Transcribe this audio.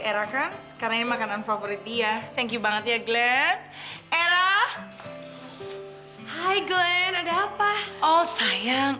era kan karena ini makanan favorit dia thank you banget ya glenn era hai glenn ada apa oh sayang